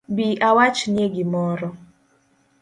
Bi awachnie gimoro